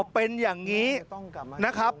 เป็นอย่างนี้นะครับ